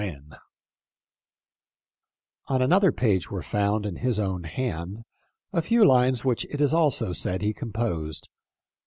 4 1 On another page were found, in his own hand, a few hnes which it is also said he composed.